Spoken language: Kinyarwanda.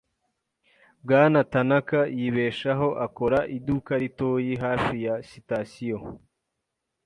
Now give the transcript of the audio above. Bwana Tanaka yibeshaho akora iduka ritoyi hafi ya sitasiyo.